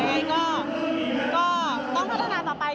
ยังไงก็ต้องพัฒนาต่อไป